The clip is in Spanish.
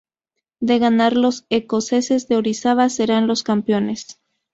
De ganar los escoceses de Orizaba serán los campeones.